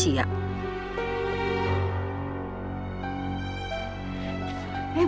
bu siska masih amnesia